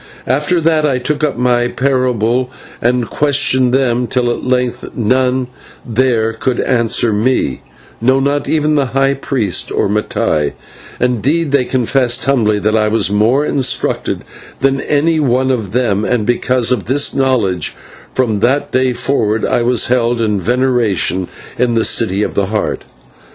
After that I took up my parable and questioned them till at length none there could answer me no, not even the high priest or Mattai; and they confessed humbly that I was more instructed than any one of them, and because of this knowledge from that day forward I was held in veneration in the City of the Heart.